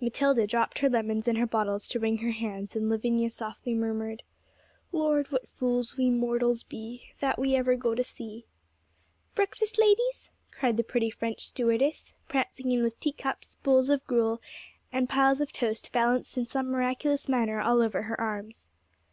Matilda dropped her lemons and her bottles to wring her hands, and Lavinia softly murmured 'Lord, what fools we mortals be, That we ever go to sea!' 'Breakfast, ladies?' cried the pretty French stewardess, prancing in with tea cups, bowls of gruel, and piles of toast balanced in some miraculous manner all over her arms.